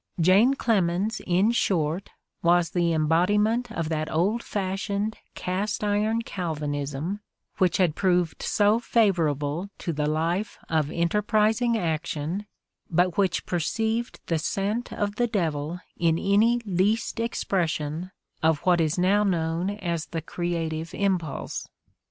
Jane Clemens, in short, was the embodiment of that old fashioned, cast iron Calvinism which had proved so favorable to the life of enterprising action but which perceived the scent of the devil in any least expression of what is now known as the creative impulse.